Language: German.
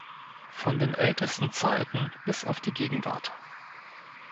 Von den ältesten Zeiten bis auf die Gegenwart.